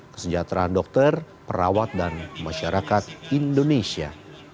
kesejahteraan dokter perawat dan masyarakat indonesia